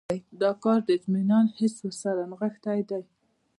دا کار د اطمینان حس ورسره نغښتی دی.